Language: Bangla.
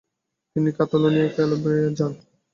তিনি কাতালোনিয়ার ক্যালাব্রিয়ায় যান।